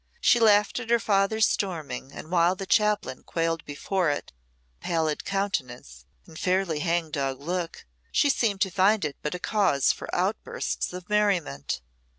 She laughed at her father's storming, and while the chaplain quailed before it with pallid countenance and fairly hang dog look, she seemed to find it but a cause for outbursts of merriment.